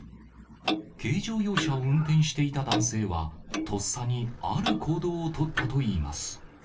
軽乗用車を運転していた男性は、とっさにある行動を取ったといいます。